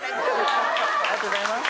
ありがとうございます。